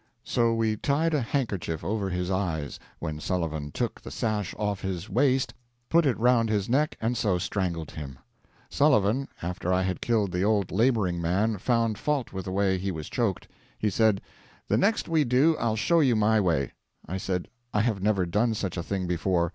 So we tied a handkerchief over his eyes, when Sullivan took the sash off his waist, put it round his neck, and so strangled him. Sullivan, after I had killed the old laboring man, found fault with the way he was choked. He said, 'The next we do I'll show you my way.' I said, 'I have never done such a thing before.